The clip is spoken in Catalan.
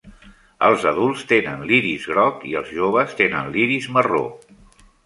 Els adults tenen l'iris groc i els joves tenen l'iris marró.